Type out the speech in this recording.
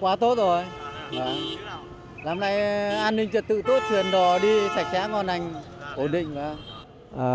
quá tốt rồi làm lại an ninh trật tự tốt chuyển đò đi sạch sẽ con anh ổn định ra